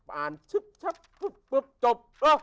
อ่านชับปุ๊บจบ